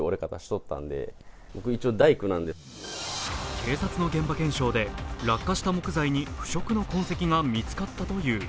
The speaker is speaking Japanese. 警察の現場検証で、落下した木材に腐食の痕跡が見つかったという。